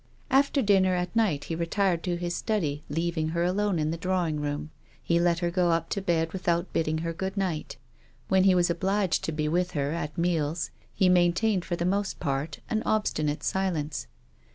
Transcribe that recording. After dinner at night he retired to his study leaving her alone in the drawing room. He let lier go up to bed without bidding her good night. When he was obliged to be with her at meals he maintained for the most part an obstinate silence.